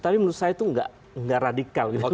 tapi menurut saya itu tidak radikal